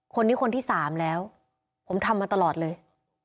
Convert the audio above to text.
คนนี้คนที่สามแล้วผมทำมาตลอดเลย